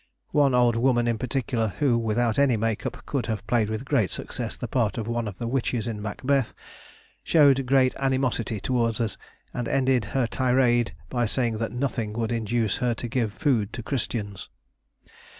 One old woman, in particular, who, without any make up, could have played with great success the part of one of the witches in "Macbeth," showed great animosity towards us, and ended her tirade by saying that nothing would induce her to give food to Christians.